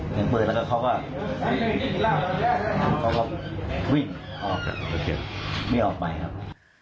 เสียงปืนแล้วก็เขาก็วิ่งออกไม่ออกไปครับ